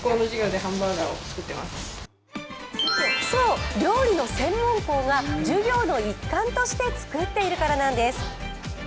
そう、料理の専門校が授業の一環として作ってるからなんです。